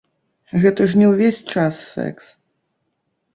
Гэта ж не ўвесь час сэкс.